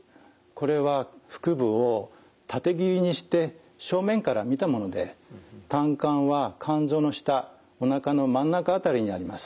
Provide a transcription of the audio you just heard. これは腹部を縦切りにして正面から見たもので胆管は肝臓の下おなかの真ん中辺りにあります。